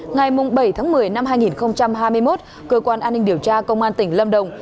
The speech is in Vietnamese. ngày bảy tháng một mươi năm hai nghìn hai mươi một cơ quan an ninh điều tra công an tỉnh lâm đồng